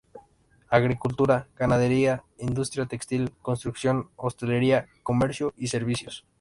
Agricultura, ganadería, industria textil, construcción, hostelería, comercio y servicios.